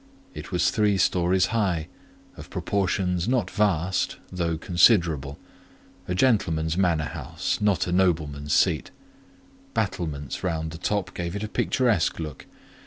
It was three storeys high, of proportions not vast, though considerable: a gentleman's manor house, not a nobleman's seat: battlements round the top gave it a picturesque look.